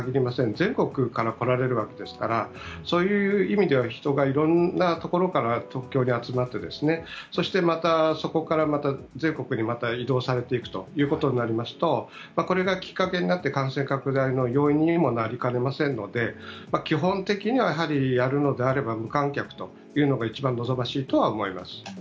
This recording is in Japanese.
全国から来られるわけですからそういう意味では人が色んなところから東京に集まって、そしてまたそこから全国に移動されていくということになりますとこれがきっかけになって感染拡大の要因にもなりかねませんので基本的にはやはりやるのであれば無観客というのが一番望ましいとは思います。